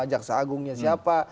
jaksa agungnya siapa